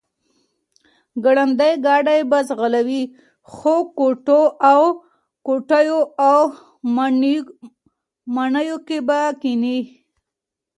ګړندی ګاډی به ځغلوي، ښو کوټو او کوټیو او ماڼیو کې به کښېني،